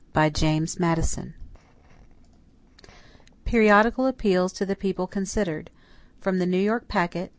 PUBLIUS FEDERALIST No. 50 Periodical Appeals to the People Considered From the New York Packet.